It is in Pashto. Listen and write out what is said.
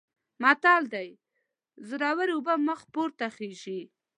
متل دی: د زورو اوبه مخ پورته خیژي.